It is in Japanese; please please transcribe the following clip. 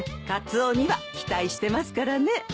カツオには期待してますからね。